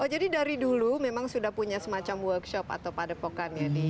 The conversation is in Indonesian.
oh jadi dari dulu memang sudah punya semacam workshop atau padepokannya di inggris